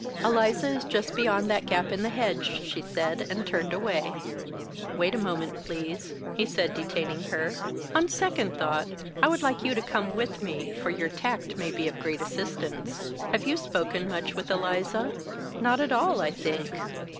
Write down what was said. "Eliza is just beyond that gap in the hedge," she said, and turned away. "Wait a moment, please," he said, detaining her. "On second thought I would like you to come with me, for your tact may be of great assistance. Have you spoken much with Eliza?" "Not at all, I think.